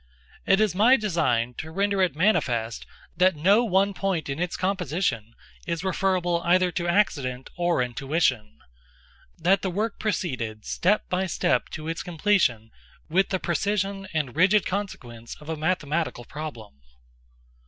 It is my design to render it manifest that no one point in its composition is referable either to accident or intuition—that the work proceeded, step by step, to its completion with the precision and rigid consequence of a mathematical problem.